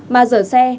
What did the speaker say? mà dở xe